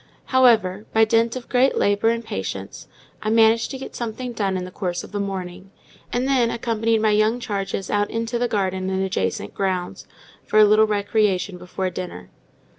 However, by dint of great labour and patience, I managed to get something done in the course of the morning, and then accompanied my young charge out into the garden and adjacent grounds, for a little recreation before dinner.